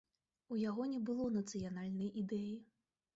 У яго не было нацыянальнай ідэі.